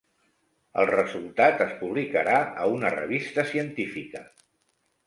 El resultat es publicarà a una revista científica.